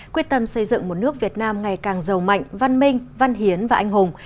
quyết tâm xây dựng một nước việt nam ngày càng giàu mạnh văn minh văn hiến và anh hùng